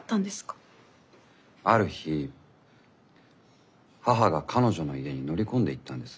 ある日母が彼女の家に乗り込んでいったんです。